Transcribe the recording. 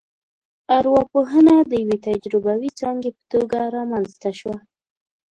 ارواپوهنه د یوې تجربوي ځانګې په توګه رامنځته شوه